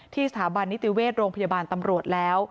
สถาบันนิติเวชโรงพยาบาลตำรวจแล้ว